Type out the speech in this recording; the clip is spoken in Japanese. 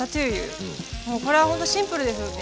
これはほんとシンプルですよね。